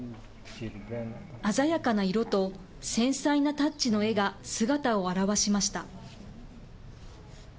鮮やかな色と繊細なタッチの絵が姿を現しました。